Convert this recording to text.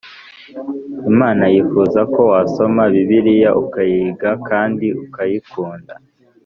Imana yifuza ko wasoma Bibiliya ukayiga kandi ukayikunda